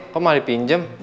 kok malah dipinjem